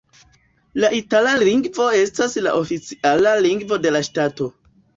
La itala lingvo estas la oficiala lingvo de la ŝtato.